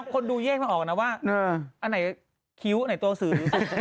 คนดูแยกไม่ออกนะว่าอันไหนคิ้วอันไหนตัวสือ